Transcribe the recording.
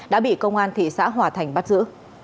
đã bị công an thị xã hòa thành bắt giữ